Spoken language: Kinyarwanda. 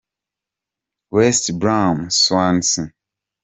h : West Brom – Swansea.